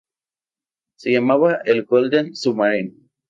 Se llamaba el "Golden Submarine".